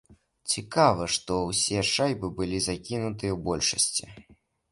Цікава, што ўсе шайбы былі закінутыя ў большасці.